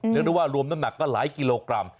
เรียกได้ว่ารวมน้ำหนักก็หลายกิโลกรัม